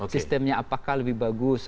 sistemnya apakah lebih bagus